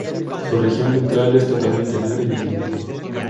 Su región ventral es totalmente negra y brillante.